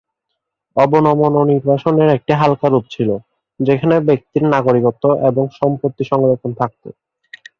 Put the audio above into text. অবনমন নির্বাসনের একটি হালকা রূপ ছিল, যেখানে ব্যক্তির নাগরিকত্ব এবং সম্পত্তি সংরক্ষণ থাকতো।